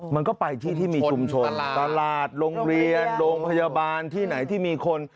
มันก็ไปที่ที่มีชุมชนตลาดโรงเรียนโรงพยาบาลที่ไหนที่มีคน